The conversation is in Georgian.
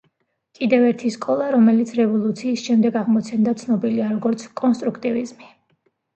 კიდევ ერთი სკოლა, რომელიც რევოლუციის შემდეგ აღმოცენდა, ცნობილია როგორც კონსტრუქტივიზმი.